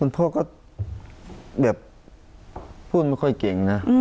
พ่อก็แบบพูดไม่ค่อยเก่งนะ